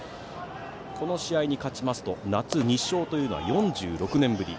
この試合に勝つと夏２勝というのは４６年ぶり。